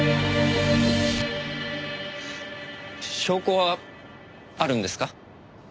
証拠はあるんですか？